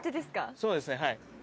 そうですね、はい。